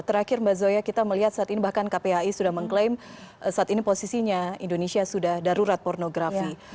terakhir mbak zoya kita melihat saat ini bahkan kpai sudah mengklaim saat ini posisinya indonesia sudah darurat pornografi